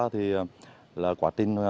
thì là quả tin